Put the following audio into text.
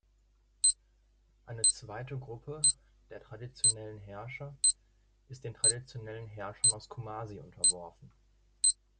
Eine zweite Gruppe der traditionellen Herrscher ist den traditionellen Herrschern aus Kumasi unterworfen.